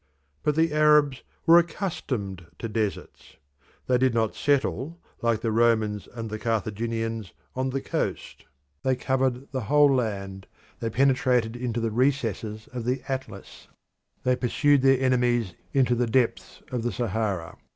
But the Arabs were accustomed to deserts; they did not settle, like the Romans and the Carthaginians, on the coast; they covered the whole land; they penetrated into the recesses of the Atlas; they pursued their enemies into the depths of the Sahara.